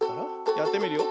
やってみるよ。